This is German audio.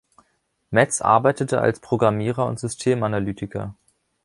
Metz arbeitete als Programmierer und Systemanalytiker.